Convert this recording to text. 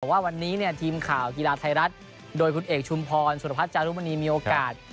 ว่าวันนี้เนี่ยทีมข่าวกีฬาไทยรัฐโดยคุณเอกชุมพรสุรพัฒนจารุมณีมีโอกาส